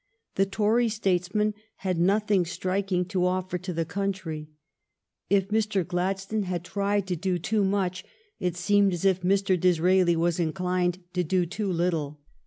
The Tory statesman had nothing striking to offer to the country. If Mr. Gladstone had tried to do too much, it seemed as if Mr. Disraeli were inclined to do too little.